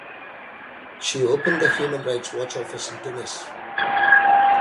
She opened the Human Rights Watch office in Tunis.